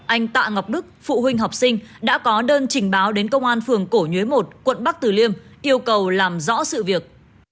anh tạ ngọc đức phụ huynh học sinh đã có đơn trình báo đến công an phường cổ nhuế một quận bắc tử liêm yêu cầu làm rõ sự việc